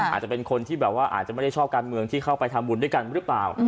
อาจจะเป็นคนที่แบบว่าอาจจะไม่ได้ชอบการเมืองที่เข้าไปทำบุญด้วยกันหรือเปล่า